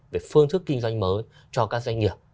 về phương thức kinh doanh mới cho các doanh nghiệp